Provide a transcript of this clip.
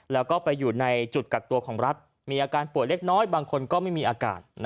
แล้วก็ไปอยู่ในจุดกักตัวของรัฐมีอาการป่วยเล็กน้อยบางคนก็ไม่มีอากาศ